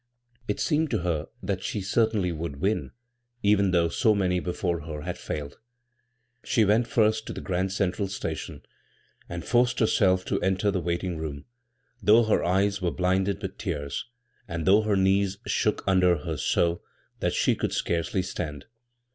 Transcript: It seemed to her that she certainly would win, even though so many before her had failed. She went first to the Grand Central Station and forced herself to enter the waiting room, though her eyes were blinded with tears, and though her knees shook imder her so that she could scarcely stand.